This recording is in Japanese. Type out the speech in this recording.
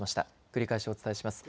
繰り返しお伝えします。